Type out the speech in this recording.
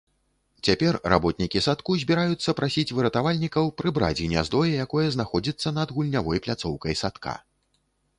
Цяпер работнікі садку збіраюцца прасіць выратавальнікаў прыбраць гняздо, якое знаходзіцца над гульнявой пляцоўкай садка.